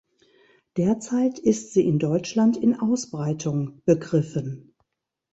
Derzeit ist sie in Deutschland in Ausbreitung begriffen.